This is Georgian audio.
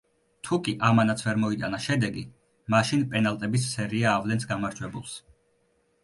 თუკი ამანაც ვერ მოიტანა შედეგი, მაშინ პენალტების სერია ავლენს გამარჯვებულს.